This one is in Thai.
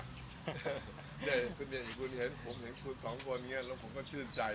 คุณเห็นผมอย่างคุณสองคนเนี่ยแล้วผมก็ชื่นใจครับ